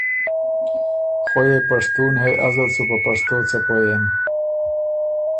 خوئ يې پشتُون هې ازت سُو په پشتو څۀ پوهئېم